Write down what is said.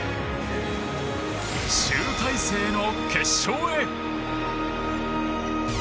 集大成の決勝へ。